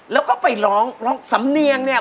แล้วก็ไปร้องร้องสำเนียงเนี่ย